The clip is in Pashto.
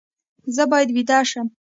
زه باید ویده شم